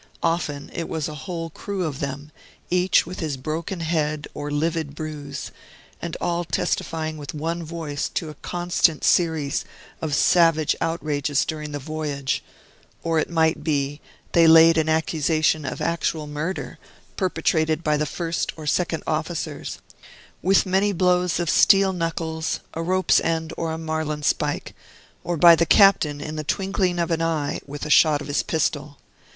Often, it was a whole crew of them, each with his broken head or livid bruise, and all testifying with one voice to a constant series of savage outrages during the voyage; or, it might be, they laid an accusation of actual murder, perpetrated by the first or second officers with many blows of steel knuckles, a rope's end, or a marline spike, or by the captain, in the twinkling of an eye, with a shot of his pistol.